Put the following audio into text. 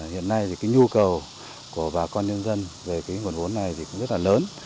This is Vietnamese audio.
hiện nay thì cái nhu cầu của bà con nhân dân về cái nguồn vốn này thì cũng rất là lớn